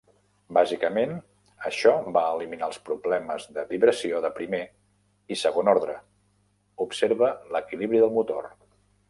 Bàsicament, això va eliminar els problemes de vibració de primer i segon ordre; observa l'equilibri del motor.